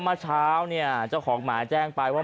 เมื่อเช้าเนี่ยเจ้าของหมาแจ้งไปว่า